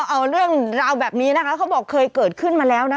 เอาเรื่องราวแบบนี้นะคะเขาบอกเคยเกิดขึ้นมาแล้วนะ